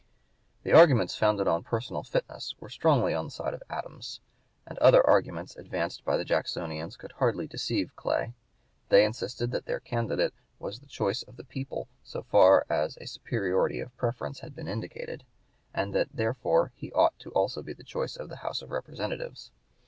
The arguments founded on personal fitness were strongly upon the side of Adams, and other arguments advanced by the Jacksonians could hardly deceive Clay. They insisted that their candidate was the choice of the people so far as a superiority of preference had been indicated, and that therefore he ought to be also the choice of the House of Representatives.